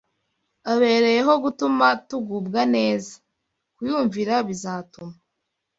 abereyeho gutuma tugubwa neza. Kuyumvira bizatuma